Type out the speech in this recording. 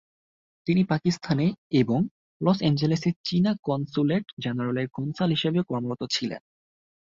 তিনি পাকিস্তানে এবং লস অ্যাঞ্জেলেসে চীনা কনস্যুলেট-জেনারেলের কনসাল হিসাবেও কর্মরত ছিলেন।